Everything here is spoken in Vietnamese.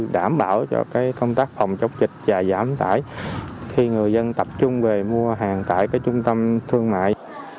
đảm bảo cho công tác phòng chống dịch và giảm tải khi người dân tập trung về mua hàng tại trung tâm thương mại